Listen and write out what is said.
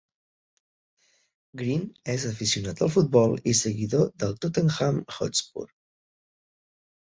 Green és aficionat al futbol i seguidor del Tottenham Hotspur.